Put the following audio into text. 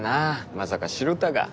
まさか城田が。